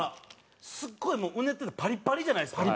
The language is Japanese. すっごいうねっててパリッパリじゃないですか。